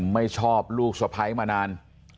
ไม่ชอบลูกสะพ้ายมานาน